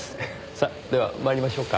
さあでは参りましょうか。